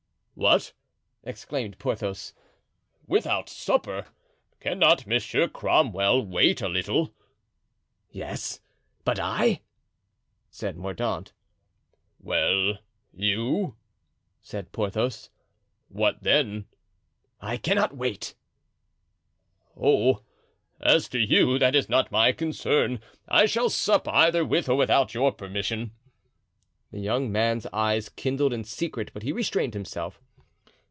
"What!" exclaimed Porthos "without supper? Cannot Monsieur Cromwell wait a little?" "Yes, but I?" said Mordaunt. "Well, you," said Porthos, "what then?" "I cannot wait." "Oh! as to you, that is not my concern, and I shall sup either with or without your permission." The young man's eyes kindled in secret, but he restrained himself.